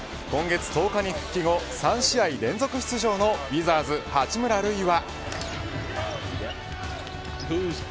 今月１０日に復帰後３試合連続出場のウィザーズ八村塁は。